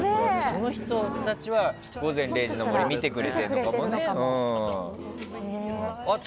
その人たちは「午前０時の森」を見てくれてるんだもんね。